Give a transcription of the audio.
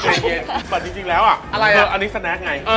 แต่จริงแล้วอันนี้สแนคไง